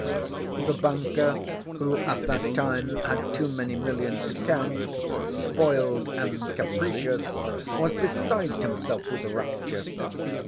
The banker, who at that time had too many millions to count, spoiled and capricious, was beside himself with rapture.